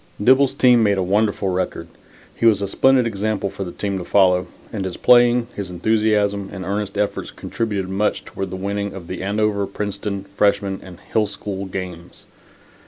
Dibble's team made a wonderful record. He was a splendid example for the team to follow, and his playing, his enthusiasm, and earnest efforts contributed much toward the winning of the Andover, Princeton freshmen and Hill School games.